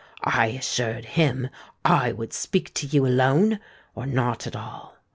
I assured him I would speak to you alone, or not at all.